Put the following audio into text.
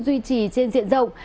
duy trì trên diện rộng